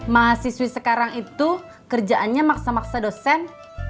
mahasiswi sekarang itu kerjaannya maksa maksa dosen